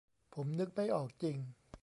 ผมนึกไม่ออกจริง